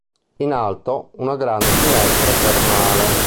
In alto, una grande finestra termale.